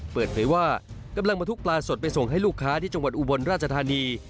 เปิดเผยว่ากำลังมาทุกปลาสดไปส่งให้ลูกค้าที่จังหวัดอุบลราชธานี